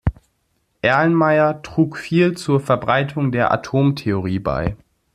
Erlenmeyer trug viel zur Verbreitung der Atomtheorie bei.